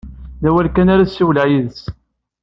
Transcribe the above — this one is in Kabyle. D awal kan ara ssiwleɣ yid-s.